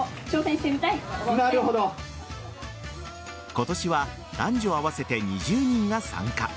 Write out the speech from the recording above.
今年は男女合わせて２０人が参加。